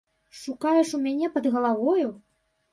Шукаеш у мяне пад галавою?